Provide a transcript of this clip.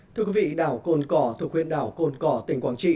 thưa quý vị đảo cồn cỏ thuộc huyện đảo cồn cỏ tỉnh quảng trị